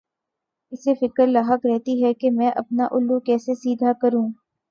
اسے فکر لاحق رہتی ہے کہ میں اپنا الو کیسے سیدھا کروں۔